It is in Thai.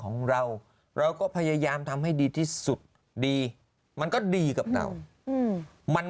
ของเราเราก็พยายามทำให้ดีที่สุดดีมันก็ดีกับเรามัน